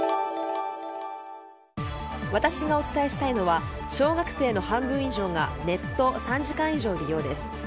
私がお伝えしたいのは小学生の半分以上がネット３時間以上利用です。